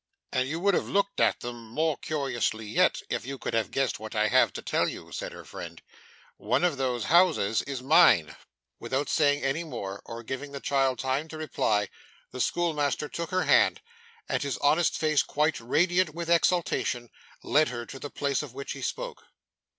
'And you would have looked at them more curiously yet, if you could have guessed what I have to tell you,' said her friend. 'One of those houses is mine.' Without saying any more, or giving the child time to reply, the schoolmaster took her hand, and, his honest face quite radiant with exultation, led her to the place of which he spoke.